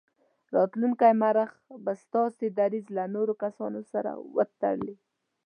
راتلونکی مورخ به ستاسې دریځ له نورو کسانو سره وتلي.